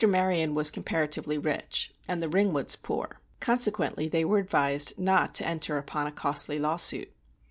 Maryon was comparatively rich, and the Ringwoods poor, consequently they were advised not to enter upon a costly lawsuit.